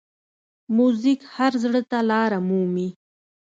موزیک هر زړه ته لاره مومي.